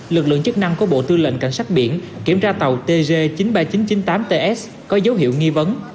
lực lượng chức năng của bộ tư lệnh cảnh sát biển kiểm tra tàu tg chín mươi ba nghìn chín trăm chín mươi tám ts có dấu hiệu nghi vấn